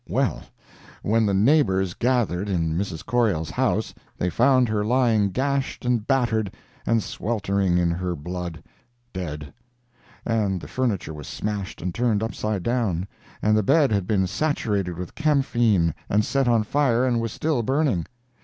Well, when the neighbors gathered in Mrs. Corriell's house they found her lying gashed and battered, and sweltering in her blood—dead; and the furniture was smashed and turned upside down, and the bed had been saturated with camphene and set on fire and was still burning.